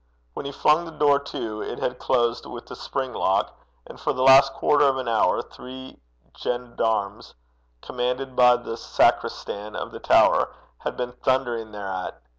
When he flung the door to, it had closed with a spring lock, and for the last quarter of an hour three gens d'arme, commanded by the sacristan of the tower, had been thundering thereat.